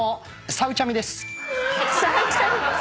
さうちゃみです。